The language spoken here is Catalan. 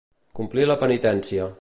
Complir la penitència.